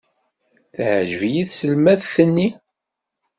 Teɛjeb-iyi tselmadt-nni.